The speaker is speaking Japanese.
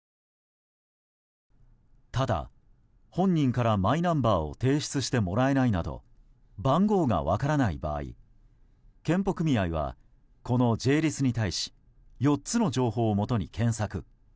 ただ、本人からマイナンバーを提出してもらえないなど番号が分からない場合健保組合はこのＪ‐ＬＩＳに対し４つの情報をもとに検索。